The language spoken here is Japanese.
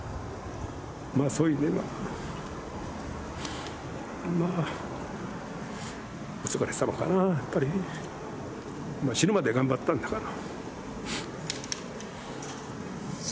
そういう意味ではまあお疲れさまかな、やっぱり、死ぬまで頑張ったんだから。